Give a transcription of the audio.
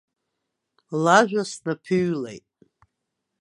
Лажәа снаԥыҩлеит.